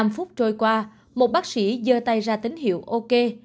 năm phút trôi qua một bác sĩ dơ tay ra tín hiệu ok